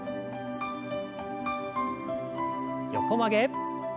横曲げ。